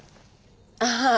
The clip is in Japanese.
ああ。